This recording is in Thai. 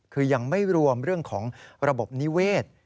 คือยังไม่รวมเรื่องของระบบนิเวศ